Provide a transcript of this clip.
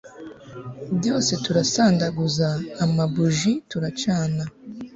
byose turasandaguza amabuji turacana